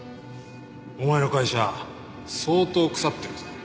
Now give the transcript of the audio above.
お前の会社相当腐ってるぞ。